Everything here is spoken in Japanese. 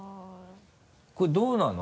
これどうなの？